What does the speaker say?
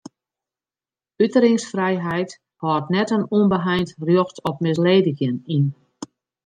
Uteringsfrijheid hâldt net in ûnbeheind rjocht op misledigjen yn.